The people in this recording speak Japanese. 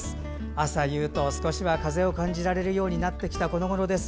朝夕と少しは風を感じられるようになってきたこのごろです。